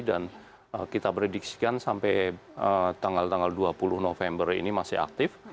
dan kita prediksikan sampai tanggal tanggal dua puluh november ini masih aktif